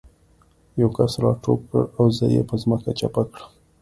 یو کس را ټوپ کړ او زه یې په ځمکه چپه کړم